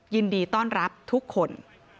ยินดีต้อนรับทุกคน